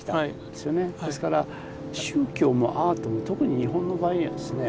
ですから宗教もアートも特に日本の場合にはですね